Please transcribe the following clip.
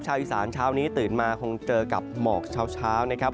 อีสานเช้านี้ตื่นมาคงเจอกับหมอกเช้านะครับ